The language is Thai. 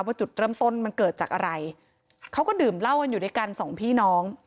จุดเริ่มต้นมันเกิดจากอะไรเขาก็ดื่มเหล้ากันอยู่ด้วยกันสองพี่น้อง